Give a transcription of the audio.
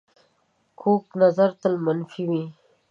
کوږ نظر تل منفي وي